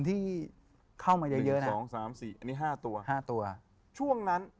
อีกตัวนี้